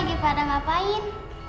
kau lagi pada ngapain